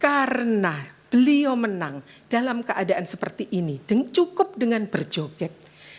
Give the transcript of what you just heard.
karena beliau menang dalam keadaan seperti ini dan cukup dengan berjoget